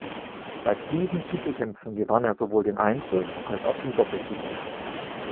Bei diesen Titelkämpfen gewann er sowohl den Einzel- als auch den Doppeltitel.